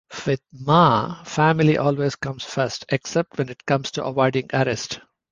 With Ma, family always comes first - except when it comes to avoiding arrest.